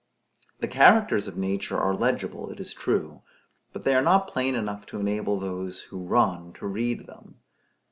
The characters of nature are legible, it is true; but they are not plain enough to enable those who run, to read them.